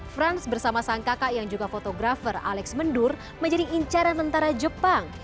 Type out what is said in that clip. frans bersama sang kakak yang juga fotografer alex mendur menjadi incaran tentara jepang